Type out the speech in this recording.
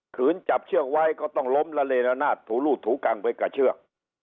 ืนจับเชือกไว้ก็ต้องล้มละเลละนาดถูรูดถูกังไปกับเชือก